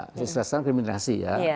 ya secara sasaran kriminalisasi ya